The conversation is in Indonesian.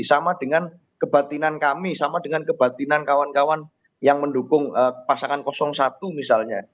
sama dengan kebatinan kami sama dengan kebatinan kawan kawan yang mendukung pasangan satu misalnya